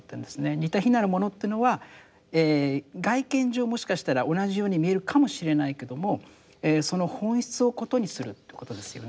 似て非なるものっていうのは外見上もしかしたら同じように見えるかもしれないけどもその本質を異にするってことですよね。